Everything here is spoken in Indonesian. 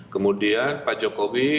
kemudian pak jokowi